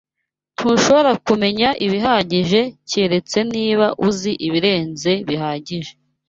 Ntushobora kumenya ibihagije keretse niba uzi ibirenze bihagije